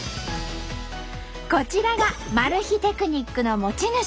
こちらがマル秘テクニックの持ち主。